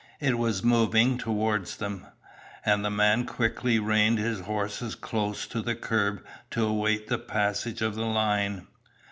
It was moving toward them, and the man quickly reined his horses close to the curb to await the passage of the line.